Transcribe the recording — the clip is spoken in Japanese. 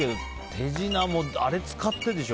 手品も、あれを使ってでしょ。